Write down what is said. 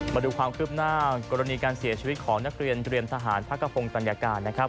มาดูความคืบหน้ากรณีการเสียชีวิตของนักเรียนเตรียมทหารพักกระพงศัญญาการนะครับ